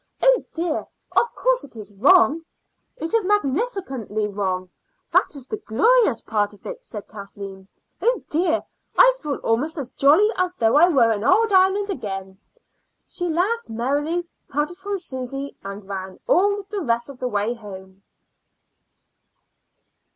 Oh dear! of course it is wrong." "It is magnificently wrong; that is the glorious part of it," said Kathleen. "Oh dear! I feel almost as jolly as though I were in old Ireland again." She laughed merrily, parted from Susy, and ran all the rest of the way home.